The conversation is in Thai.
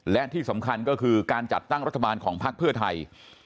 และที่สำคัญก็คือการจัดตั้งรัฐบาลของพักเพื่อไทย